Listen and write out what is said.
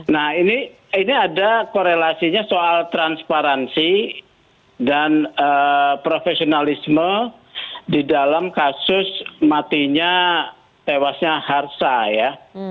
nah ini ada korelasinya soal transparansi dan profesionalisme di dalam kasus matinya tewasnya harsa ya